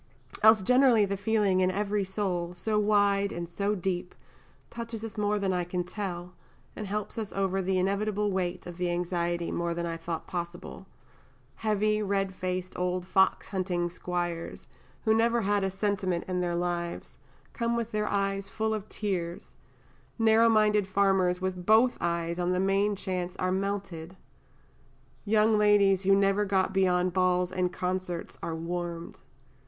Else generally the feeling in every soul, so wide and so deep, touches us more than I can tell, and helps us over the inevitable weight of the anxiety more than I thought possible heavy, redfaced, old fox hunting Squires, who never had a "sentiment" in their lives, come with their eyes full of tears; narrow minded Farmers with both eyes on the main chance are melted; young ladies who never got beyond balls and concerts are warmed.